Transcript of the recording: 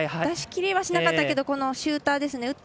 出しきりはしなかったけどシューターですね。